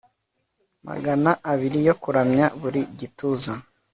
magana abiri yo kuramya buri gituza